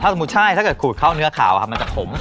สมมุติใช่ถ้าเกิดขูดเข้าเนื้อขาวครับมันจะขม